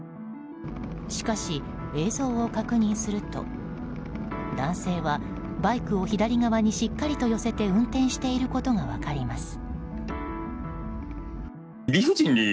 しかし、映像を確認すると男性はバイクを左側にしっかりと寄せて運転していることが分かります。